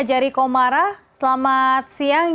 jari komara selamat siang